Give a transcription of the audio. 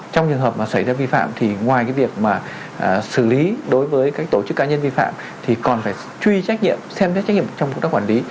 trong trường hợp xảy ra vi phạm thì ngoài việc xử lý đối với các tổ chức cá nhân vi phạm thì còn phải truy trách nhiệm xem trách nhiệm trong công tác quản lý